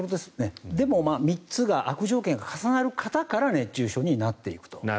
でも、３つが悪条件が重なる方から熱中症になっていくと。